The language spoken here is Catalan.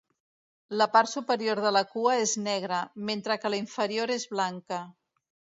La part superior de la cua és negre, mentre que la inferior és blanca.